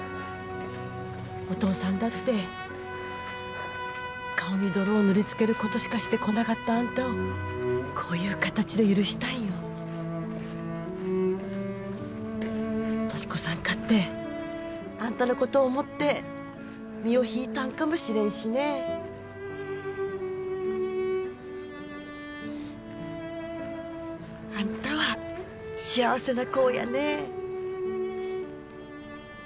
お父さんだって顔に泥を塗りつけることしかしてこなかったあんたをこういう形で許したんよ・俊子さんかってあんたのことを思って身を引いたんかもしれんしねあんたは幸せな子やねえ・